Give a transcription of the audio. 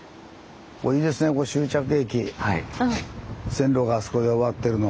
線路があそこで終わってるの。